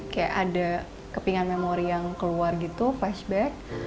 kayak ada kepingan memori yang keluar gitu flashback